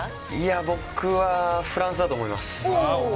僕はフランスだと思います。